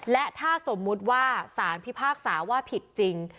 และถ้าสมมุติว่าสารพิพากษาว่าผิดจริง